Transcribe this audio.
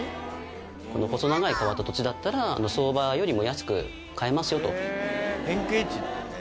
この細長い変わった土地だったら相場よりも安く買えますよと。